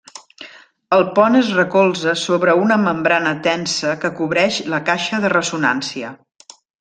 El pont es recolze sobre una membrana tensa que cobreix la caixa de ressonància.